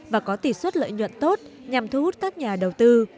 và có tỷ suất lợi nhuận tốt nhằm thu hút các nhà đầu tư